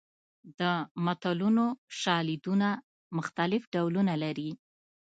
د متلونو شالیدونه مختلف ډولونه لري